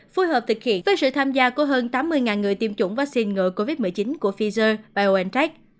phối hợp thực hiện với sự tham gia của hơn tám mươi người tiêm chủng vaccine ngừa covid một mươi chín của pfizer biontech